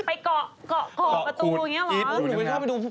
มาเกาะกระตูอย่างนี้เหรอ